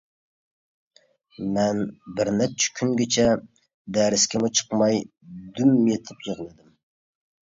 مەن بىرنەچچە كۈنگىچە دەرسكىمۇ چىقماي دۈم يېتىپ يىغلىدىم.